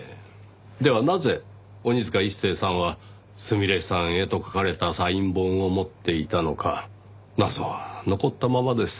ではなぜ鬼塚一誠さんは「すみれさんへ」と書かれたサイン本を持っていたのか謎は残ったままです。